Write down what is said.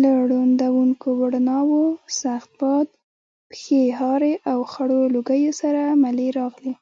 له ړندونکو رڼاوو، سخت باد، پښې هارې او خړو لوګیو سره ملې راغلې.